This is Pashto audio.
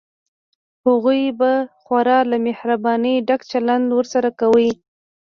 هغوی به خورا له مهربانۍ ډک چلند ورسره کوي.